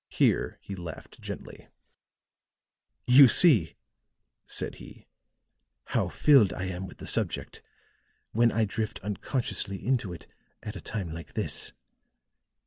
Here he laughed gently. "You see," said he, "how filled I am with the subject, when I drift unconsciously into it at a time like this.